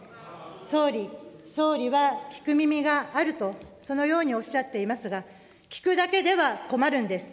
総理、総理は聞く耳があると、そのようにおっしゃっていますが、聞くだけでは困るんです。